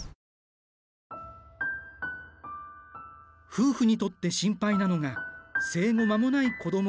夫婦にとって心配なのが生後間もない子どもの健康だ。